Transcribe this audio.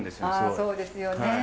ああそうですよね。